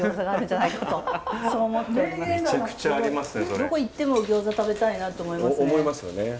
どこ行っても餃子食べたいなと思いますね。